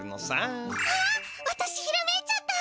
あっわたしひらめいちゃった！